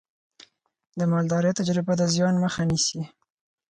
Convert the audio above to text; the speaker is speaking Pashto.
د مالدارۍ تجربه د زیان مخه نیسي.